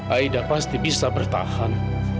aida pasti bisa bertahan